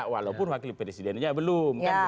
walaupun wakil presidennya belum